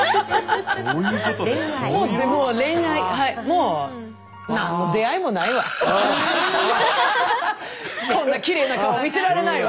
もうこんなきれいな顔見せられないわ！